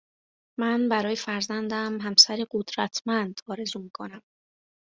من برای فرزندم همسری قدرتمند آرزو میکنم